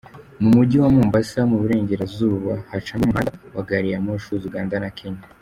Mu Mujyi wa Mombasa mu burengerazuba hacamo umuhanda wa gariyamoshi uhuza Uganda na Kenya.